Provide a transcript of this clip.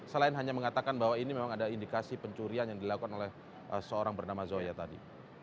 selain hanya mengatakan bahwa ini memang ada indikasi pencurian yang dilakukan oleh seorang bernama zoya tadi